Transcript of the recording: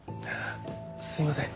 すいません